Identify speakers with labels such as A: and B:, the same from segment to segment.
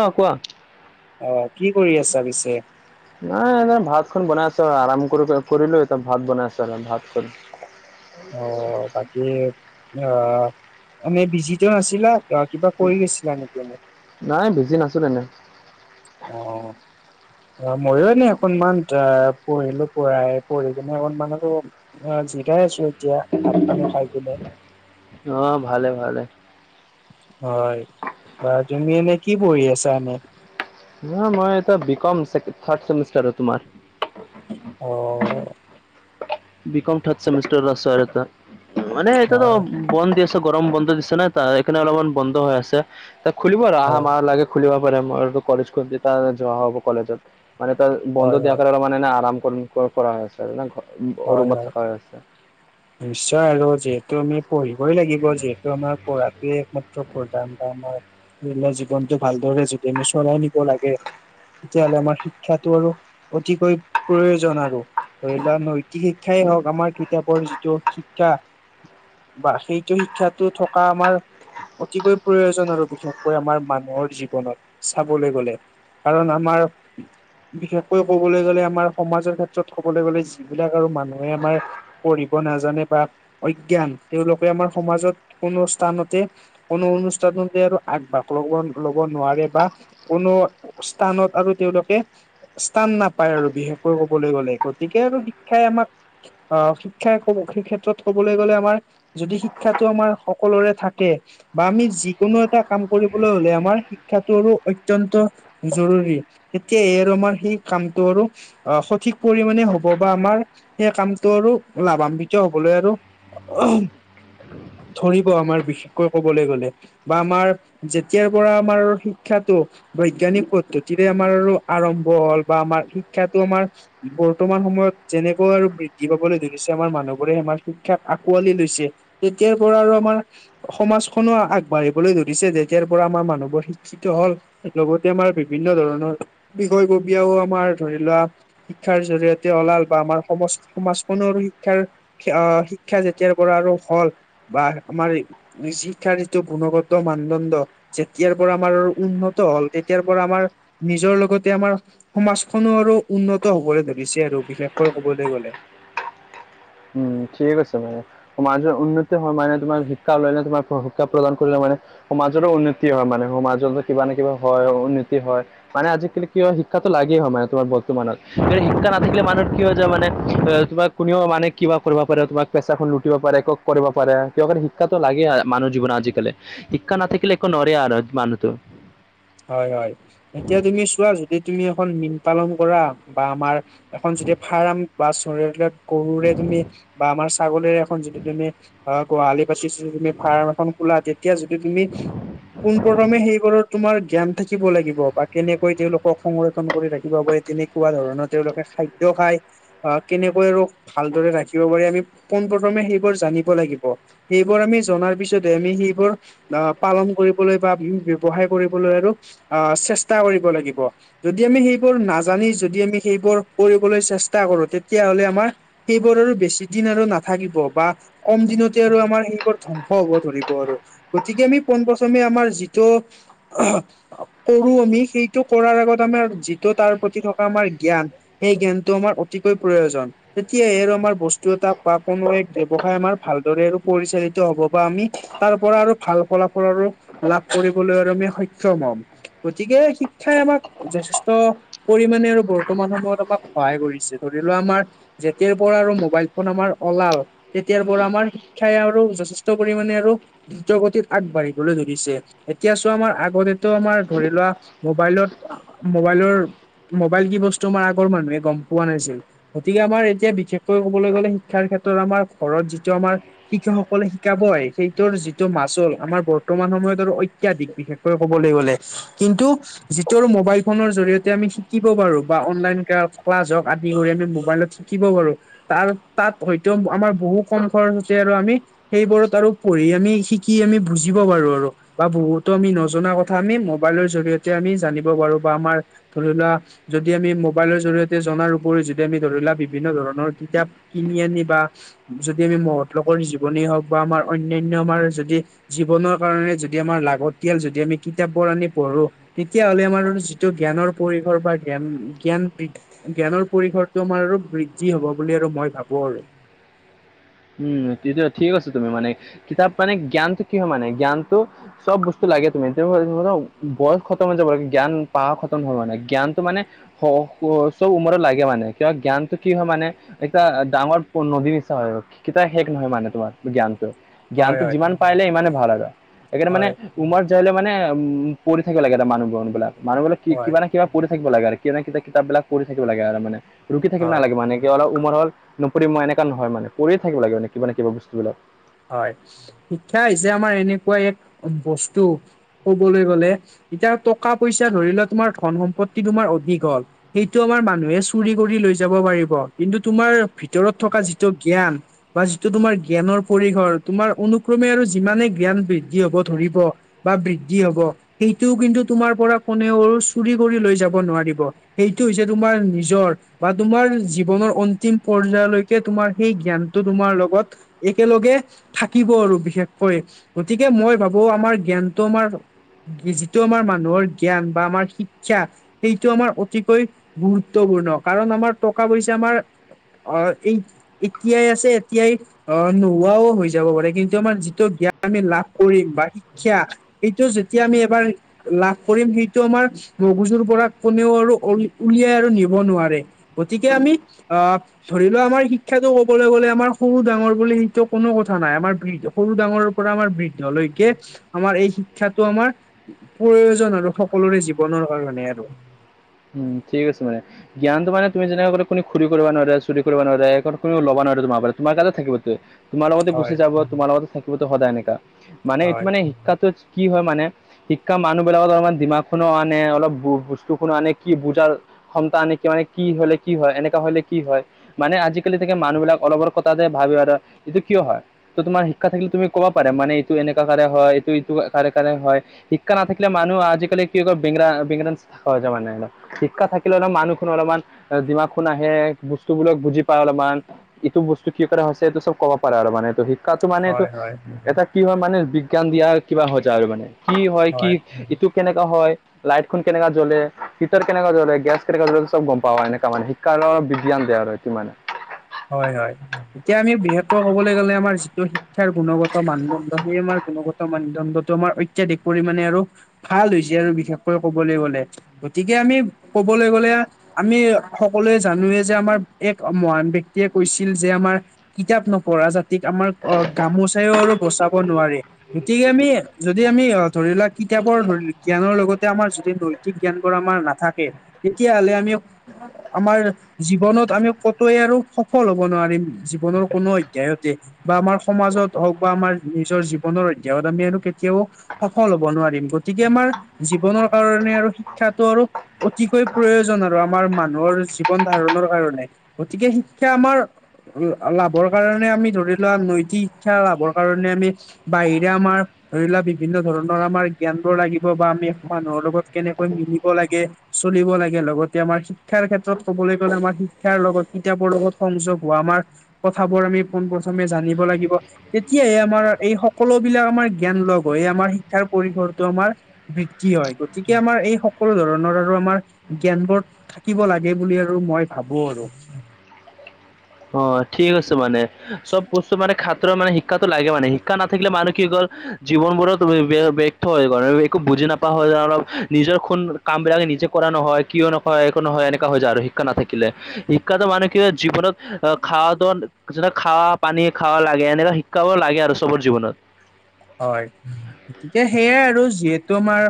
A: অ কোৱা
B: অ কি কৰি আছা পিছে
A: নাই এনে ভাতখন বনাই আছো আৰু আৰাম কৰি কৰিলো এতিয়া ভাত বনাই আছো ভাত চব্জি
B: অ বাকী আ এনেই বিজিতো নাছিলা অ কিবা কৰি আছিলা নেকি এনে
A: নাই বেছি নাছিল এনে।
B: অ অ অ। অ মইয়ো এনে অকনমান অ পঢ়িলো পঢ়াই পঢ়ি কিনে অকনমান আৰু অ জিৰাই আছো এতিয়া ভাত-পানী খাই কিনে।
A: অ ভালে-ভালে।
B: হয়, বাৰু তুমি এনে কি পঢ়ি আছা এনে?
A: নহয় মই এতিয়া বি কম ছেকে থাৰ্ড ছেমিষ্টাৰত তোমাৰ।
B: অ।
A: বি কম থাৰ্ড ছেমিষ্টাৰত আছো আৰু এতা। মানে এতাটো
B: হয়
A: বন্দ দি আছে গৰম বন্ধ দিছে না তাৰ এই কাৰনে অলপমান বন্ধ হৈ আছে। ত খুলিব আৰু আহা
B: হয়
A: মাহ লৈকে খুলিব পাৰে মোৰটো কলেজ খুলিলে তাৰ যোৱা হ'ব কলেজত। মানে তাৰ বন্ধ
B: হয়
A: দিয়া
B: হয়
A: কাৰনে অলমান না না আৰাম কৰিম কৰা হৈছে মানে
B: হয়
A: ৰুমত
B: হয়
A: থাকা হৈ আছে।
B: নিশ্চয় আৰু যিহেতু আমি পঢ়িবই লাগিব যিহেতু আমাক পঢ়াটোৱে একমাত্ৰ প্ৰধান কাম হয়। ধৰি লোৱা জীৱনটো ভালদৰে যদি আমি চলাই নিব লাগে তেতিয়া হ'লে আমাৰ শিক্ষাটো আৰু অতিকৈ প্ৰয়োজন আৰু। ধৰি লোৱা নৈতিক শিক্ষাই হওক আমাৰ কিতাপৰ যিটো শিক্ষা বা সেইটো শিক্ষাটো থকা আমাৰ অতিকৈ প্ৰয়োজন আৰু বিশেষকৈ আমাৰ মানুহৰ জীৱনত, চাবলৈ গ'লে। কাৰণ আমাৰ বিশেষকৈ ক'বলে গ'লে আমাৰ সমাজৰ ক্ষেত্ৰত ক'বলে গ'লে যি বিলাক আৰু মানুহে আমাৰ পঢ়ি ব নাজানে বা অজ্ঞান তেওঁলোকে আমাৰ সমাজত কোনো স্থানতে কোনো অনুষ্ঠানতে আৰু আগভাগ ল'ব ল'ব নোৱাৰে। বা কোনো স্থানত আৰু তেওঁলোকে স্থান নাপায় আৰু বিশেষকৈ ক'বলে গ'লে। গতিকে আৰু শিক্ষাই আমাক অ শি ক্ষাই ক'ব সেই ক্ষেত্ৰত ক'বলৈ গ'লে আমাৰ যদি শিক্ষাতো আমাৰ সকলোৰে থাকে বা আমি যিকোনো এটা কাম কৰিবলৈ হ'লে আমাৰ শিক্ষাটো আৰু অত্যন্ত জৰুৰী। এতিয়া এই আৰু মই সেই কামটো আৰু অ, সঠিক পৰিমাণে হ'ব বা আমাৰ সেই কামটো আৰু লাভান্বিত হবলৈ আৰু ধৰিব আমাৰ বিশেষকৈ ক'বলৈ গ'লে। বা আমাৰ যেতিয়াৰ পৰা আমাৰ আৰু শিক্ষাটো বৈজ্ঞানিক পদ্ধতিৰে আমাৰ আৰু আৰম্ভ হ'ল বা আমাৰ শিক্ষাটো আমাৰ বৰ্তমান সময়ত যেনেকই আৰু বৃদ্ধি পাবলৈ ধ ৰিছে আমাৰ মানুহবোৰে আমাৰ শিক্ষাক আঁকোৱালি লৈছে। তেতিয়াৰ পৰা আৰু আমাৰ সমাজখনো আগবাঢ়িবলৈ ধৰিছে যেতিয়াৰ পৰা আমাৰ মানুহবোৰ শিক্ষি ত হ'ল। লগতে আমাৰ বিভিন্ন ধৰণৰ বিষয়ববীয়াও আমাৰ ধৰি লোৱা শিক্ষাৰ জৰিয়তে ওলাল বা আমাৰ সমজ-সমাজ কোনো আৰু শিক্ষাৰ ক্ষা, আ, শিক্ষাৰ যেতিয়াৰ পৰা আৰু হ'ল বা আমাৰ ই নিচ শিক্ষাৰ যিটো গুণগত মানদণ্ড যেতিয়াৰ পৰা আমাৰ আৰু উন্নত হ'ল তেতিয়াৰ পৰা আমাৰ নিজৰ লগতে আমাৰ সমাজখনো আৰু উন্নত হ'বলৈ ধৰিছে আৰু বিশেষকৈ কবলৈ গ'লে।
A: উম, ঠিকে কৈছা বাৰু। সমাজৰ উন্নতি হয় মানে তোমাৰ শিক্ষা লৈহে তোমাৰ প্ৰশিক্ষা প্ৰদান কৰিলে মানে সমাজৰো উন্নতি হয় মানে সমাজতো কিবা নে কিবা হয় উন্নতি হয়। মানে আজিকালি কি হয় শিক্ষাটো লাগে হয় মানে তোমাৰ বৰ্তমানৰ। এই শিক্ষা নাথাকিলে মানুহ কি হয় যায় মানে আ তোমাক কোনেও মানে কিবা কৰিব পাৰে তোমাক পেচাখন লুটিব পাৰে, কক কৰিব পাৰে, কিয় কাৰণে শিক্ষাটো লাগে আ মানুহ জীৱনৰ আজিকালি। শিক্ষা নাথাকিলে একো নৰে আৰু মানুহটো।
B: হয়, হয় এতিয়া তুমি চোৱা যদি তুমি এখন মীন পালন কৰা বা আমাৰ এখন যদি ফাৰাম বা চৰে এইবিলাক গৰুৰে তুমি বা আমাৰ ছাগলীৰে এখন যদি তুমি আ, গোহালি বাছিছিলো তুমি ফাৰাম এখন খোলা তেতিয়া যদি তুমি পোনপ্ৰথমে সেইবাৰৰ তোমাৰ জ্ঞান থাকিব লাগিব বা কেনেকৈ তেওঁলোকক সংৰক্ষণ কৰি ৰাখিব পাৰে তেনেকুৱা ধৰণৰ তেওঁলোকে খাই দ্য খাই আ কেনেকৈ আৰু ভালদৰে ৰাখিব পাৰি আমি পোনপ্ৰথমে সেইবোৰ জানিব লাগিব। এইবোৰ আমি জনাৰ পিছতহে আমি সেইবোৰ আ পালন কৰিবলৈ বা উম ব্যৱসায় কৰি বলৈ আৰু আ চেষ্টা কৰিব লাগিব। যদি আমি সেইবোৰ নাজানি যদি আমি সেইবোৰ কৰিবলৈ চেষ্টা কৰো তেতিয়াহ'লে আমাৰ তেইবোৰ আৰু বেছি দিন আৰু নাথাকিব বা কম দিনতে আৰু আমাৰ সেইবোৰ ধ্বংস হ'ব ধৰিব আৰু গতিকে আমি পোনপ্ৰথমে আমাৰ যিটো আহাঁ আ কৰো আমি সেইটো কৰাৰ আগত আমাৰ যিটো তাৰ প্ৰতি থকা আমাৰ জ্ঞান এই জ্ঞানটো আমাৰ অতিকৈ প্ৰয়োজন। তেতিয়াহে আৰু আমাৰ বস্তু এটা বা কোনো এক ব্যৱসায় আমাৰ ভালদৰে আৰু পৰিচালিত হ'ব বা আমি তাৰ পৰা আৰু ভাল ফলাফল আৰু লাভ কৰিবলৈ আৰু আমি সক্ষম হম। গতিকে শিক্ষাই আমাক যথেষ্ট পৰিমাণে আৰু বৰ্তমান সময়ত আমাক সহায় কৰিছে। ধৰি লোৱা আমাৰ যেতিয়াৰ পৰা আৰু মোবাইল ফোন আমাৰ ওলাল তেতিয়াৰ পৰা আমাৰ শিক্ষাই আৰু যথেষ্ট পৰিমানে আৰু দ্ৰুতগতিত আগবাঢ়িবলৈ ধৰিছে এতিয়া চোৱা আমাৰ আগ বদিটো আমাৰ ধৰি লোৱা মোবাইলত মোবাইলৰ মোবাইল কি বস্তু আমাৰ আগৰ মানুহে গম পোৱা নাছিল। গতিকে আমাৰ এতিয়া বিশেষকৈ কবলৈ গ'লে শিক্ষাৰ ক্ষেত্ৰত আমাৰ ঘৰত যিটো আমাৰ শিক্ষকসকলে শিকাব আহে সেইটোৰ যিটো মাচোল, আমাৰ বৰ্তমান সময়ত আৰু অত্যাধিক বিশেষ কৈ ক'বলৈ গ'লে কিন্তু যিটোৰ মোবাইল ফোনৰ জৰিয়তে আমি শিকিব পাৰো বা অনলাইন ক্লা ক্লাছ হওঁক আদি কৰি আমি মোবাইলত শিকিব পাৰো তাৰ তাত হয়তো আমাৰ বহু কম খৰচতে আৰু আমি সেইবোৰত আৰু পঢ়ি আমি শিকি আমি বুজিব পাৰো আৰু বা বহুতো আমি নজ জনা কথা আমি মোবাইলৰ জৰিয়তে আমি জানিব পাৰো বা আমাৰ ধৰি লোৱা যদি আমি মোবাইলৰ জৰিয়তে জনাৰ উপৰিও যদি আমি ধৰি লোৱা বিভিন্ন ধৰণৰ কিতাপ কিনি আনি বা যদি আমি মহৎলোকৰ জীৱনে হওঁক বা আমাৰ অনান্য আমাৰ যদি জীৱনৰ কাৰনে যদি আমাৰ লাগতিয়াল যদি আমি কিতাপবোৰ আনি পঢ়ো তেতিয়া হ'লে আমাৰ যিটো জ্ঞানৰ পৰিসৰ বা জ্ঞান জ্ঞান বৃ জ্ঞানৰ পৰিসৰটো আমাৰ আৰু বৃদ্ধি হ'ব বুলি আৰু মই ভাবো আৰু।
A: উম তেতিয়া ঠিক আছে, তুমি মানে কিতাপ মানে জ্ঞানটো কি হয় মানে জ্ঞানটো চব বস্তু লাগে তুমি [inaudible] বয়স খতম হৈ যাব লাগে জ্ঞান পাৱা খতম হব মানে জ্ঞানটো মানে [inaudible] চব উমৰত লাগে মানে কিয় জ্ঞানটো কি হয় মানে এটা ডাঙৰ পূ নদী নিচিনা হয় আৰু। কতিয়া শেষ নহয় মানে তোমাৰ জ্ঞানটো,
B: হয়
A: জ্ঞানটো
B: হয়
A: যিমান পাইলে সিমানে ভাল আৰু সেইকাৰণে মানে
B: হয়
A: ৰোমত যায় লৈ মানে উম পঢ়ি থাকিব লাগে এটা মানুহবোৰ মানুহবিলাক কি
B: হয়
A: কিবা না। কিবা পঢ়ি থাকিব লাগে কে কেনে কিবা কিতাপবিলাক পঢ়ি থাকিবা লাগে মানে ৰখি থাকিব
B: হয়
A: নালাগে মানে। সি অলপ উমৰ হ'ল নপঢ়িম মই এনেকা নহয়মানে কৰি থাকিব লাগে মানে কিবা ন কিবা বস্তুবিলাক।
B: হয় শিক্ষা হৈছে আমাৰ এনেকুৱা এক বস্তু কবলৈ গলে। এতিয়া টকা পইচা ধৰিলোৱা তোমাৰ ধন সম্পত্তি তোমাৰ অধিক হল। সেইটো আমাৰ মানুহে চুৰি কৰি লৈ যাব পাৰিব কিন্তু তোমাৰ ভিতৰত থকা যিটো জ্ঞান। বা যিটো তোমাৰ জ্ঞানৰ পৰিসৰ তোমাৰ অনুক্ৰমে আৰু যিমানে জ্ঞান বৃদ্ধি হব ধৰিব। বা বৃদ্ধি হব সেইটোও কিন্তু তোমাৰ পৰা কোনেও চুৰি কৰি লৈ যাব নোৱাৰিব। সেইটো হৈছে তোমাৰ নিজৰ। বা তোমাৰ জীৱনৰ অন্তিম পৰ্যয়লৈকে তোমাৰ সেই জ্ঞানটো তোমাৰ লগত। একেলগে থাকিব আৰু বিশেষকৈ গতিকে মই ভাবোঁ আমাৰ জ্ঞানটো আমাৰ। যিটো আমাৰ মানুহৰ জ্ঞান বা আমাৰ শিক্ষা। সেইটো আমাৰ অতিকৈ গুৰুত্বপূৰ্ণ কাৰণ আমাৰ টকা পইচা আমাৰ। অহ এই এতিয়াই আছে এতিয়াই অহ ন। হোৱাও হৈ যাব পাৰে কিন্তু আমাৰ যিটো জ্ঞান আমি লাভ কৰিম বা শিক্ষা। এইটো যেতিয়া আমি এবাৰ। লাভ কৰিম সেইটো আমাৰ মগজুৰ পৰা কোনেও আৰু উ উলিয়াই আৰু নিব নোৱাৰে। গতিকে আমি অহ ধৰি লোৱা আমাৰ শিক্ষাটো কবলৈ গ'লে আমাৰ সৰু ডাঙৰ বুলি। তো কোনো কথা নাই আমাৰ বৃদ্ধ সৰু ডাঙৰ পৰা আমাৰ বৃদ্ধলৈকে। আমাৰ এই শিক্ষাটো আমাৰ প্ৰয়োজন আৰু সকলোৰে জীৱনৰ কাৰণে আৰু।
A: উম ঠিক আছে মানে। জ্ঞানটো মানে তুমি যেনেকে কোন চুৰি কৰিব নোৱাৰে চুৰি কৰিব নোৱাৰে কো‌ কোন লব নোৱাৰে তোমাৰ পৰা তোমাৰ তাতে থাকিব তে তোমাৰ লগতে গুচি
B: হয়
A: যাব তোমাৰ লগতে থাকিবতো সদায় নেকা মানে এইটো
B: হয়
A: মানে শিক্ষা। কি হয় মানে শিক্ষা মানুহ বিলাকত অলমান দিমাগ খনো আনে অলপ বস্তু খোনো আনে কি বোজাৰ ক্ষমতা আনেক কিয় মানে কি হলে কি হয় এনেকা হলে কি হয়। মানে আজিকালি থাকে মানুহবিলাক অলপ অলপ কথা যে ভাবি‌ এটা এইটো কিয় হয় ত তোমাৰ শিক্ষা থাকিলে তুমি ক'ব পাৰে মানে এইটো এনেকা কাৰে হয় এইটো ইটো কাৰে কাৰে হয় শিক্ষা নাথাকিলে মানুহ আজিকালি কি হয় বি বি বেঙৰাগৰা হৈ যায় মানে। শিক্ষা থাকিলে অলপ মানুহ খোন অলপমান দিমাকখন আহে বস্তুবোৰক বুজি পায় অলপমান। এইটো বস্তু কি কৰা হৈছে এইটো চব কব পাৰ আৰু মানে সেই শিক্ষ শিক্ষাটো মানেটো
B: হয় হয়
A: এটা কি হয় মানে বিজ্ঞান দিয়া কিবা হৈ যায় আৰু মানে। কি হয় কি এইটো কেনেকা হয় লাইটখন কেনেকা জ্বলে। হিটাৰ কেনেকা জ্বলে গেছ কেনেকুৱা জ্বলে চব গম পাওঁ এনেকা মানে শিক্ষাৰৰ বিজ্ঞান‌ দে এইটো মানে।
B: হয় হয় এতিয়া আমি বিশেষকৈ ক'বলৈ গ'লে আমাৰ যিটো শিক্ষাৰ গুণগত। মানদণ্ড সেই আমাৰ গুণগত মানদণ্ডটো আমাৰ অত্যাধিক পৰিমাণে আৰু। ভাল হৈছে আৰু বিশেষকৈ কবলৈ গলে গতিকে আমি কবলৈ গ'লে। আমি সকলোৱে জানোৱে যে আমাৰ এক মহান ব্য ব্যক্তিও কৈছিল যে আমাৰ কিতাপ নপঢ়া জাতিক আমাৰ অ গামোচাইও আৰু বচাব। কব নোৱাৰি। গতিকে আমি যদি আমি ধৰি লোৱা কিতাপৰ ধৰি জ্ঞানৰ লগতে আমাৰ যদি দৈ সঠিক জ্ঞান বোৰ আমাৰ নাথাকে তেতিয়াহ'লে আমি। আমাৰ জীৱনত আমি কতোৱে আৰু স সফল হ'ব নোৱাৰিম জীৱনৰ কোনো অধ্যায়তে। বা আমাৰ সমাজত হওঁক বা আমাৰ নিজৰ জীৱনৰ অধ্যয়াত আমি আৰু কেতিয়াও। সফল হ'ব নোৱাৰিম গতিকে আমাৰ জীৱনৰ কাৰণে আৰু শিক্ষাটো আৰু অতিকৈ প্ৰয়োজন আৰু আমাৰ মানুহৰ জীৱন ধাৰণৰ কাৰণে, গতিকে শিক্ষা আমাৰ লাভৰ কাৰণে আমি ধৰি লোৱা নৈতিক শিক্ষা লাভৰ কাৰণে আমি বাহিৰে আমাৰ ধৰি লোৱা বিভিন্ন ধৰণৰ আমাৰ জ্ঞানব লাগিব বা আমি মানুহৰ লগত কেনেকৈ মিলিব লাগে। চলিব লাগে লগতে আমাৰ শিক্ষাৰ ক্ষেত্ৰত ক'বলৈ গ'লে আমাৰ শিক্ষাৰ লগত কিতাপৰ লগত। সংযোগ হোৱা আমাৰ কথাবোৰ আমি পোন প্ৰথমে জানিব লাগিব। তেতিয়াহে আমাৰ এই সকলো বিলাক আমাৰ জ্ঞান লগ হৈ আমাৰ শিক্ষাৰ পৰিসৰটো আমাৰ বৃদ্ধি হয়, গতিকে আমাৰ এই সকলো ধৰণৰ আৰু আমাৰ জ্ঞান বোৰ থাকিব লাগে বুলি আৰু মই ভাবো আৰু।
A: অঁ ঠিকে কৈছা মানে, চব বস্তু মানে খাত্ৰ মানে শিক্ষাটো লাগে মানে শিক্ষা নাথাকিলে মানুহ কি হল জীৱন বোৰত ব্যৰ্থ হৈ গল একো বুজি না পায় হৈ যায় অলপ নিজৰ খুন কাম বিলাকে নিজে কৰা নহয় কিয় নকয় একো নহয় এনেকুৱা হৈ যায় আৰু। শিক্ষা নাথাকিলে শিক্ষাতে মানুহ কি হয় জীৱনত অ খাৱাতো যে খাৱা পানী খাবা লাগে এনেকা শিক্ষা লাগে আৰু চবৰ জীৱনত।
B: হয়, গতিকে সেইয়াই আৰু যিহেতু আমাৰ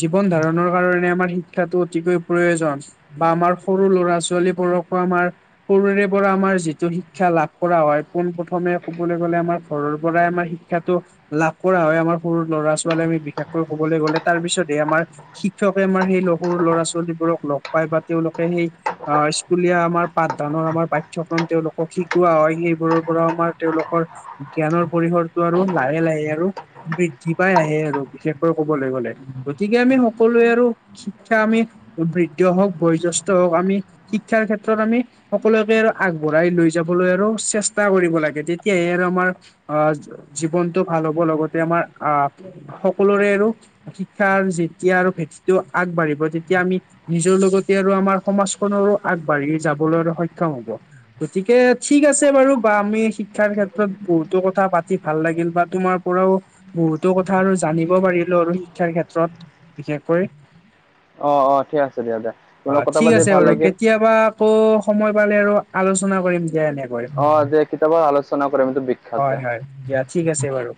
B: জীৱন ধাৰণৰ কাৰণে আমাৰ শি ক্ষাটো অতিকৈ প্ৰয়োজন বা আমাৰ সৰু ল'ৰা ছোৱালীবোৰকো আমাৰ সৰুৰে পৰা আমাৰ যিটো শিক্ষা লাভ কৰা হয় পোন প্ৰথমে কবলৈ গলে আমাৰ ঘৰৰ পৰাই আমাৰ শিক্ষাটো লাভ কৰা হয় আমাৰ সৰু ল'ৰা ছোৱালীয়ে আমি বিশেষকৈ কবলৈ গ'লে তাৰপিছতহে আমাৰ শিক্ষকে আমাৰ সেই সৰু ল'ৰা ছোৱালীবোৰক লগ পাই বা তেওঁলোকে সেই আহ স্কুলীয়া আমাৰ পাঠদানৰ আমাৰ পাঠ্যক্ৰম তেওঁলোকক শিকোৱা হয় সেইবোৰৰ পৰা আমাৰ তেওঁলোকৰ জ্ঞানৰ পৰিসৰটো আৰু লাহে লাহে বৃদ্ধি পাই আহে আৰু বিশেষকৈ কবলৈ গ'লে, গতিকে আমি সকলোৱে আৰু শিক্ষা আমি বৃদ্ধ হওঁক বয়োজ্যেষ্ঠ হওক আমি শিক্ষাৰ ক্ষেত্ৰত আমি সকলোকে আগবঢ়াই লৈ যাবলৈ আৰু চেষ্টা কৰিব লাগে, তেতিয়াহে আৰু আমাৰ আহ জীৱনটো ভাল হ'ব লগতে আমাৰ আহ সকলোৰে আৰু শিক্ষাৰ যেতিয়া আৰু ভেটিটো আগবাঢ়িব তেতিয়া আমি নিজৰ লগতে আৰু আমাৰ সমাজখনৰো আগবাঢ়ি যাবলৈ আৰু সক্ষম হ'ব। গতিকে ঠিক আছে বাৰু বা আমি শিক্ষাৰ ক্ষেত্ৰত বহুতো কথা পাতি ভাল লাগিল বা তোমাৰ পৰাও বহুতো কথা আৰু জানিব পাৰিলো আৰু শিক্ষাৰ ক্ষেত্ৰত। বিশেষকৈ
A: অঁ অঁ ঠিক আছে দিয়া দে তোমাৰ
B: অ
A: লগত কথা
B: ঠিক
A: পাতি
B: আছে
A: ভাল
B: বাৰু
A: লাগিল।
B: কেতিয়াবা আকৌ সময় পালে আৰু আলোচনা কৰিম দিয়া এনেকৈ।
A: অঁ যে কেতিয়াবা আলোচনা কৰিম এইটো
B: হয় হয় দিয়া ঠিক
A: বিষয়তে।
B: আছে বাৰু